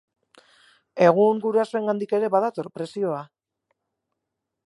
Egun gurasoengandik ere badator presioa.